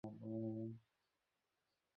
আপনার পায়ের জন্য মায়া হয় আমার।